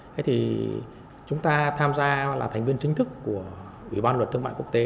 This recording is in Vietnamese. thế thì chúng ta tham gia là thành viên chính thức của ủy ban luật thương mại quốc tế